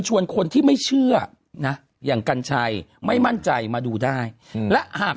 คนที่ไม่เชื่อนะอย่างกัญชัยไม่มั่นใจมาดูได้และหาก